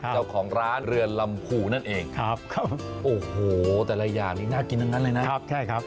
เจ้าของร้านเรือนลำผูนั่นเองโอ้โหแต่ละอย่างนี่น่ากินนั่นเลยนะ